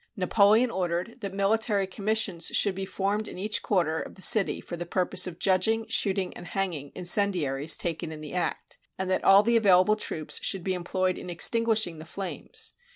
Napoleon ordered that military commissions should be formed in each quarter of the city for the purpose of judging, shooting, and hanging, incendiaries taken in the act; and that all the available troops should be employed in extinguishing the flames.